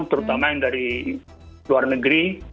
terutama yang dari luar negeri